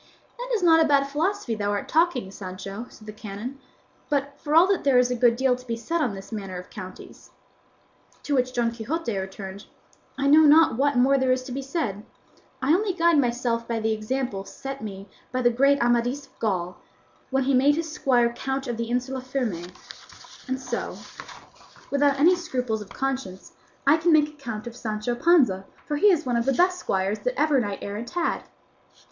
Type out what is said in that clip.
"That is not bad philosophy thou art talking, Sancho," said the canon; "but for all that there is a good deal to be said on this matter of counties." To which Don Quixote returned, "I know not what more there is to be said; I only guide myself by the example set me by the great Amadis of Gaul, when he made his squire count of the Insula Firme; and so, without any scruples of conscience, I can make a count of Sancho Panza, for he is one of the best squires that ever knight errant had."